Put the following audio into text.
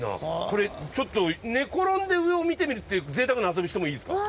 これちょっと寝転んで上を見てみるっていう贅沢な遊びしてもいいですか？